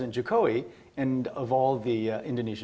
dari pemerintah indonesia